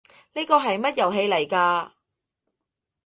呢個係乜遊戲嚟㗎？